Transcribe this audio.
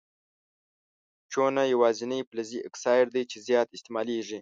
چونه یوازیني فلزي اکساید دی چې زیات استعمالیږي.